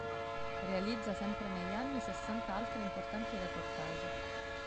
Realizza sempre negli anni sessanta altri importanti reportage.